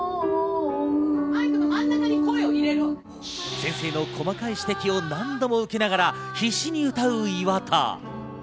先生の細かい指摘を何度も受けながら必死に歌う岩田。